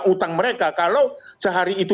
utang mereka kalau sehari itu